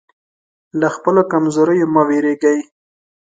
له خپلو کمزوریو مه وېرېږئ.